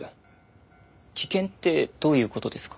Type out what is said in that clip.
危険ってどういう事ですか？